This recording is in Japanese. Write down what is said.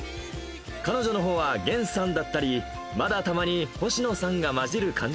彼女のほうは源さんだったり、まだたまに星野さんが混じる感じ